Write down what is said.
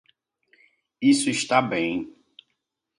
Isso está bem.